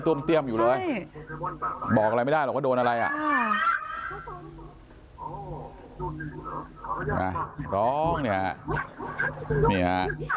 ต้วมตี้ยมอยู่เลยบอกอะไรไม่ได้หรอกว่าโดนอะไร